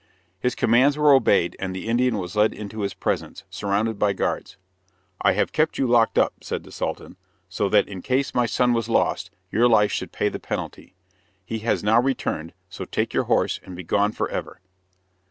His commands were obeyed, and the Indian was led into his presence, surrounded by guards. "I have kept you locked up," said the Sultan, "so that in case my son was lost, your life should pay the penalty. He has now returned; so take your horse, and begone for ever."